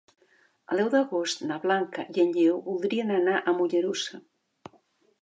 El deu d'agost na Blanca i en Lleó voldrien anar a Mollerussa.